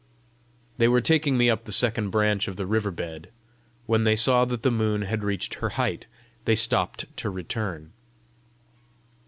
They were taking me up the second branch of the river bed: when they saw that the moon had reached her height, they stopped to return.